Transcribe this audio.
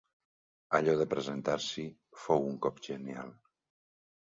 Allò de presentar-s'hi fou un cop genial.